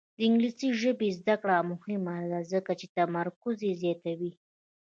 د انګلیسي ژبې زده کړه مهمه ده ځکه چې تمرکز زیاتوي.